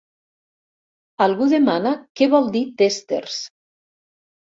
Algú demana què vol dir tèsters.